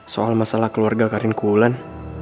soal masalah keluarga karin kuwulan